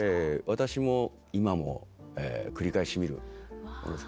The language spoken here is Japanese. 私も今も繰り返し見るものです。